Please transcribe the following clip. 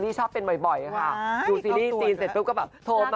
ว้าวอี๊ตอนตัวนะครับ